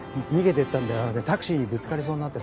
それでタクシーにぶつかりそうになってさ。